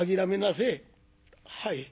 「はい。